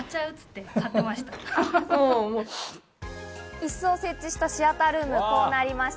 イスを設置したシアタールーム、こうなりました。